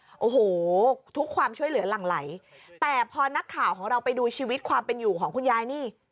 โอ้โหทุกความช่วยเหลือหลั่งไหลแต่พอนักข่าวของเราไปดูชีวิตความเป็นอยู่ของคุณยายนี่